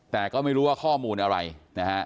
แต่ก็ไม่รู้ว่าข้อมูลอะไรนะฮะ